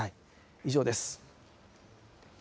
以上です。